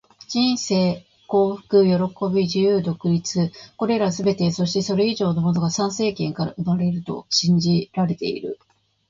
人生、幸福、喜び、自由、独立――これらすべて、そしてそれ以上のものが参政権から生まれると信じられている。